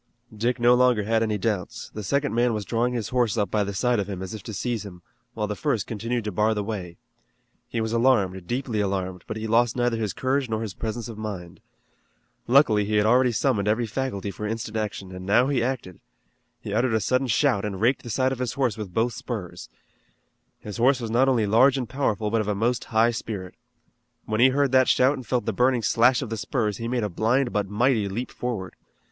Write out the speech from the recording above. Dick no longer had any doubts. The second man was drawing his horse up by the side of him, as if to seize him, while the first continued to bar the way. He was alarmed, deeply alarmed, but he lost neither his courage nor his presence of mind. Luckily he had already summoned every faculty for instant action, and now he acted. He uttered a sudden shout, and raked the side of his horse with both spurs. His horse was not only large and powerful but of a most high spirit. When he heard that shout and felt the burning slash of the spurs he made a blind but mighty leap forward.